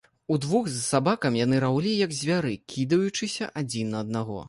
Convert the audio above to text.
Удвух з сабакам яны раўлі, як звяры, кідаючыся адзін на аднаго.